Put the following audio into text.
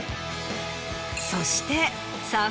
そして。